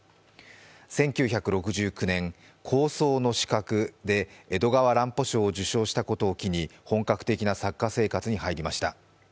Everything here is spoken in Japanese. １９６９年、「高層の死角」で江戸川乱歩賞を受賞したことを機に本格的な作家生活に入りました。